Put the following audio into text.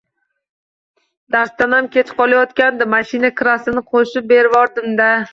-Darsdanam kechqolyotgandi, mashina kirasini qo’shib bervordim-da.